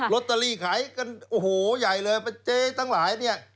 ตเตอรี่ขายกันโอ้โหใหญ่เลยเจ๊ทั้งหลายเนี่ย